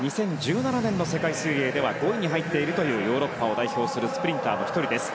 ２０１７年の世界水泳では５位に入っているヨーロッパを代表するスプリンターの１人。